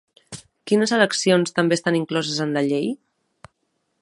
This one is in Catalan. Quines eleccions també estan incloses en la llei?